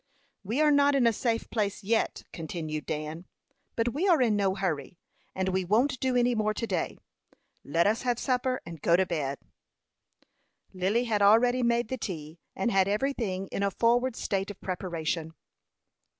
"We are not in a safe place yet," continued Dan. "But we are in no hurry, and we won't do any more to day. Let us have supper and go to bed." Lily had already made the tea, and had every thing in a forward state of preparation.